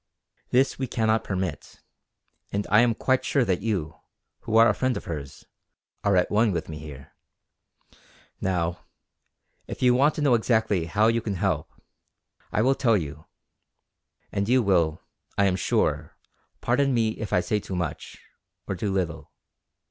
This we cannot permit; and I am quite sure that you, who are a friend of hers, are at one with me here. Now, if you want to know exactly how you can help I will tell you; and you will, I am sure, pardon me if I say too much or too little.